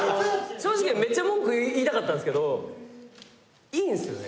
正直めちゃ文句言いたかったんすけどいいんすよね